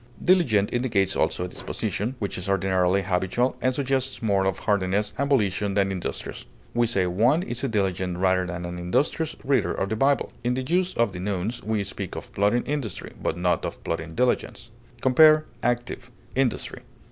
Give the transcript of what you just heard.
Diligent indicates also a disposition, which is ordinarily habitual, and suggests more of heartiness and volition than industrious. We say one is a diligent, rather than an industrious, reader of the Bible. In the use of the nouns, we speak of plodding industry, but not of plodding diligence. Compare ACTIVE; INDUSTRY.